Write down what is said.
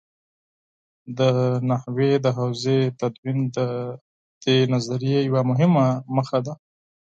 د نحوې د حوزې تدوین د دې نظریې یوه مهمه موخه ده.